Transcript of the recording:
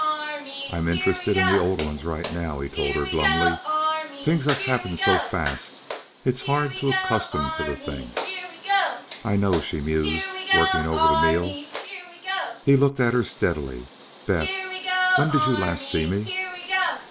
"I'm interested in the old ones right now," he told her glumly. "Things have happened so fast, it's hard to accustom to the thing." "I know," she mused, working over the meal. He looked at her steadily. "Beth? When did you last see me?"